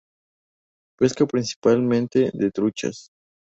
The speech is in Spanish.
Pesca principalmente de truchas.